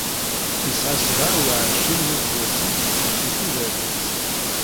Yesɛa sebεa u εecrin n yiseggasen di tudert-is.